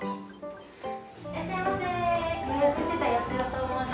いらっしゃいませ。